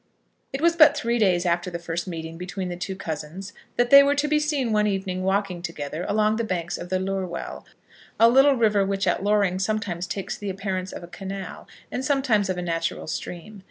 It was but three days after the first meeting between the two cousins, that they were to be seen one evening walking together along the banks of the Lurwell, a little river which at Loring sometimes takes the appearance of a canal, and sometimes of a natural stream.